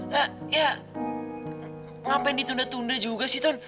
gak ya ngapain ditunda tunda juga sih ton